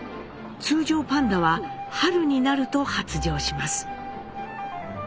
通常パンダは春になると発情します。